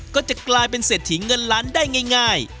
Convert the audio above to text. ก็จะกลายเป็นเศรษฐีเงินล้านได้ง่าย